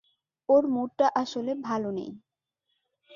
ওর মুডটা আসলে ভালো নেই!